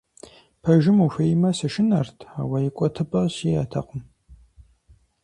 Пэжым ухуеймэ, сышынэрт, ауэ икӀуэтыпӀэ сиӀэтэкъым.